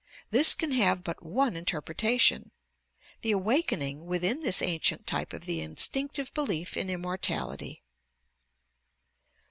This can have but one interpretation, the awakening within this ancient type of the instinctive belief in immortality!